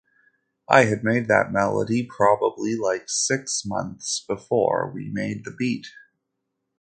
I had made that melody probably like six months before we made the beat.